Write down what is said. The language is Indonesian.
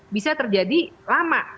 bisa terjadi lama